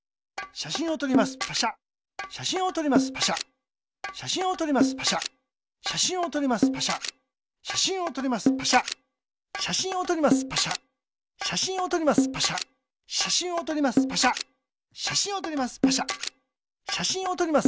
しゃしんをとります。